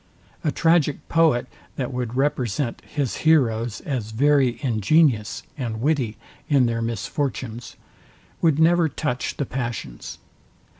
A tragic poet, that would represent his heroes as very ingenious and witty in their misfortunes, would never touch the passions.